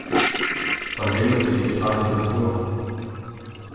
Von wem ist die digitale Signatur?